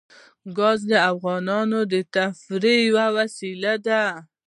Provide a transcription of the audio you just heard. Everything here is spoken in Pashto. ګاز د افغانانو د تفریح یوه وسیله ده.